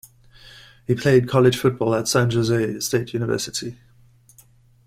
He played college football at San Jose State University.